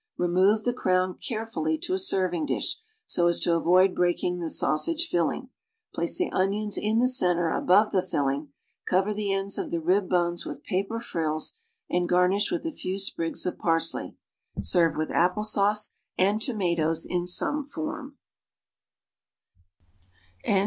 Remove the crown carefully to a serving dish, so as to a\oid breaking the sausage filling; place the onions in the center above the filling; cover the ends of the rib bones with paper frills, and garnish with a few sprigs of parsley. Serve wdth apple sauce and tomatoes in some form.